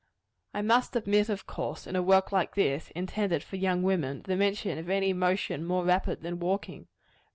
I must omit, of course, in a work like this, intended for young women, the mention of any motion more rapid than walking.